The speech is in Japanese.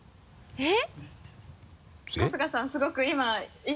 えっ？